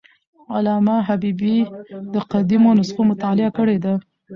علامه حبیبي د قدیمو نسخو مطالعه کړې ده.